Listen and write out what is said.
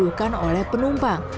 dikuluhkan oleh penumpang